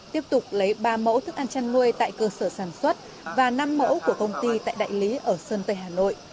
tiếp tục lấy ba mẫu thức ăn chăn nuôi tại cơ sở sản xuất và năm mẫu của công ty tại đại lý ở sơn tây hà nội